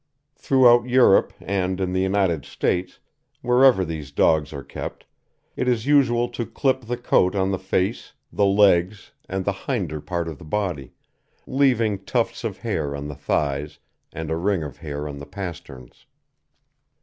Throughout Europe and in the United States wherever these dogs are kept it is usual to clip the coat on the face, the legs, and the hinder part of the body, leaving tufts of hair on the thighs and a ring of hair on the pasterns.